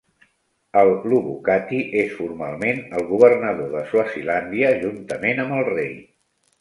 El ndlovukati és formalment el governador de Swazilàndia, juntament amb el rei.